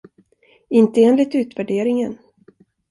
Inte enligt utvärderingen.